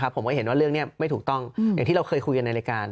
ผมก็เห็นว่าเรื่องนี้ไม่ถูกต้องอย่างที่เราเคยคุยกันในรายการ